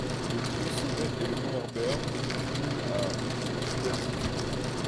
Le plus haut sommet est le mont Herbert qui culmine à d'altitude.